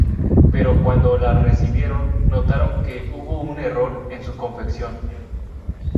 Pero cuando las recibieron, notaron que hubo un error en su confección.